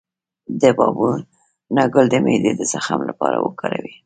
د بابونه ګل د معدې د زخم لپاره وکاروئ